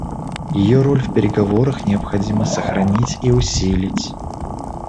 Ее роль в переговорах необходимо сохранить и усилить.